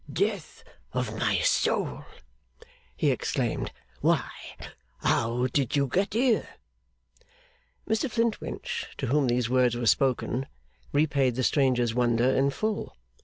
'Death of my soul!' he exclaimed. 'Why, how did you get here?' Mr Flintwinch, to whom these words were spoken, repaid the stranger's wonder in full.